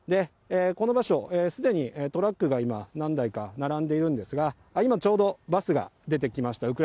この場所、すでにトラックが今、何台か並んでいるんですが、今、ちょうどバスが出てきました。